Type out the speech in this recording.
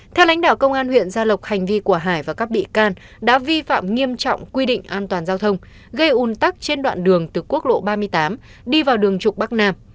theo lãnh đạo công an huyện gia lộc hành vi của hải và các bị can đã vi phạm nghiêm trọng quy định an toàn giao thông gây un tắc trên đoạn đường từ quốc lộ ba mươi tám đi vào đường trục bắc nam